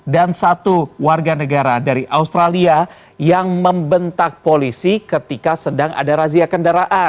dan satu warga negara dari australia yang membentak polisi ketika sedang ada razia